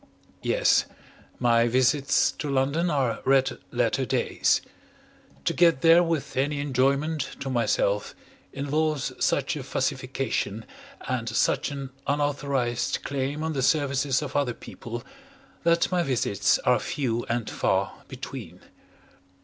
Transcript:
Yes, my visits to London are red letter days. To get there with any enjoyment to myself involves such a fussification, and such an unauthorised claim on the services of other people, that my visits are few and far between.